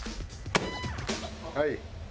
はい。